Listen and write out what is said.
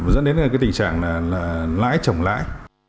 dẫn đến tình trạng lãi trồng lãi